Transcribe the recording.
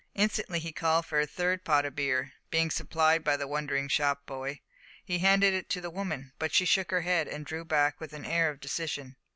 Instantly he called for a third pot of beer. Being supplied by the wondering shop boy, he handed it to the woman; but she shook her head, and drew back with an air of decision.